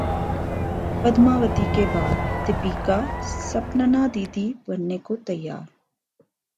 پدماوتی کے بعد دپیکا سپننا دی دی بننے کو تیار